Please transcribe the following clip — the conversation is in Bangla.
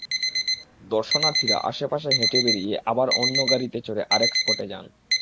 দর্শনার্থীরা আশপাশে হেঁটে বেড়িয়ে আবার অন্য গাড়িতে চড়ে আরেক স্পটে যান।